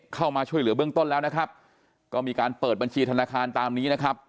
เข้ามาช่วยเหลือเบื้องต้นแล้วนะครับก็มีการเปิดบัญชีธนาคารตามนี้นะครับ